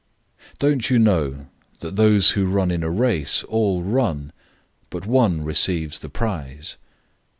009:024 Don't you know that those who run in a race all run, but one receives the prize?